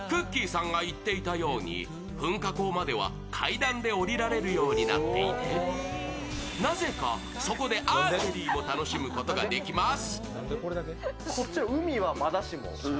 さんが言っていたように噴火口までは階段で下りられるようになっていて、なぜか、そこでアーチェリーを楽しむことができます。